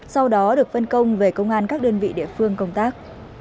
sau đó được phân công về công an các đơn vị địa phương công tác